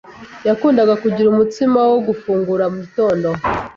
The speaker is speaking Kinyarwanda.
Yakundaga kugira umutsima wo gufungura mugitondo.